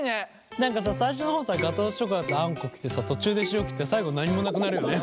何かさ最初の方さガトーショコラとあんこ来てさ途中で塩来て最後何もなくなるよね。